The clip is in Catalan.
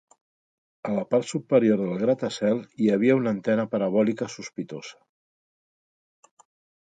A la part superior del gratacel hi havia una antena parabòlica sospitosa.